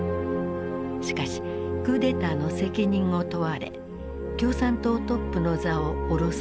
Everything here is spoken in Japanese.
しかしクーデターの責任を問われ共産党トップの座を降ろされた。